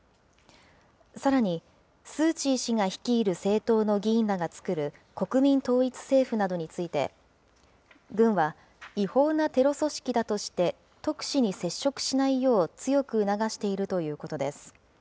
さらに、スー・チー氏が率いる政党の議員らが作る国民統一政府などについて、軍は、違法なテロ組織だとして、特使に接触しないよう強く促しているということです。